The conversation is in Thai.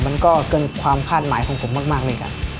มันก็เกินความคาดหมายของผมมากเลยครับ